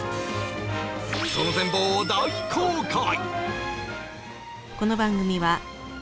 その全貌を大公開